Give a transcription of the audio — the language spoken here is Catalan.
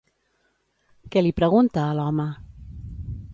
Què li pregunta a l'home?